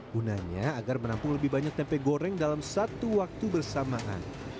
gunanya agar menampung lebih banyak tempe goreng dalam satu waktu bersamaan